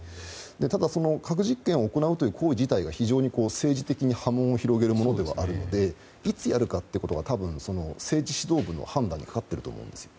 ただ、核実験を行うという行為自体が非常に政治的に波紋を広げるものではあるのでいつやるかは政治指導部の判断にかかっていると思います。